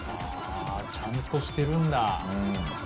ああちゃんとしてるんだ。